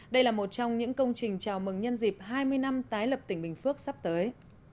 đây là một trong những công trình chào mừng nhân dịp hai mươi năm tái lập tỉnh bình phước sắp tới